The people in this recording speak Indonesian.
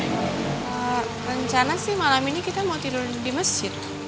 rencana sih malam ini kita mau tidur di masjid